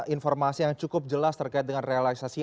informasi yang cukup jelas terkait dengan realisasi